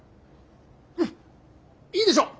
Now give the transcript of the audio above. うんいいでしょう！